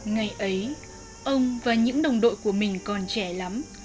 ngày ấy ông và những đồng đội của mình còn trẻ lắm